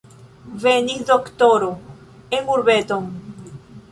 Venis doktoro en urbeton.